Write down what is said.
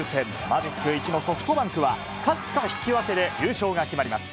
マジック１のソフトバンクは、勝つか、引き分けで優勝が決まります。